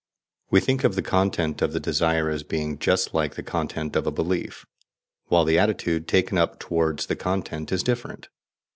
We think of the content of the desire as being just like the content of a belief, while the attitude taken up towards the content is different.